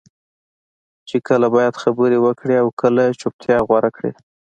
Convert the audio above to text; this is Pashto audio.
چې کله باید خبرې وکړې او کله چپتیا غوره کړې.